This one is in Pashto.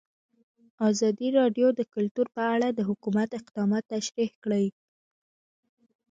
ازادي راډیو د کلتور په اړه د حکومت اقدامات تشریح کړي.